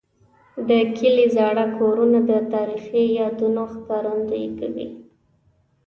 د کلي زاړه کورونه د تاریخي یادونو ښکارندوي کوي.